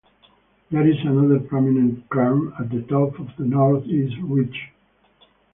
There is another prominent cairn at the top of the north east ridge.